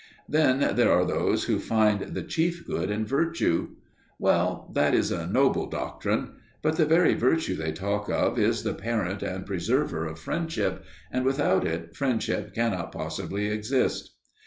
Then there are those who find the "chief good" in virtue. Well, that is a noble doctrine. But the very virtue they talk of is the parent and preserver of friendship, and without it friendship cannot possibly exist.